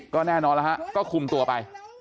ก็แน่นอนแล้วฮะก็คุมตัวไป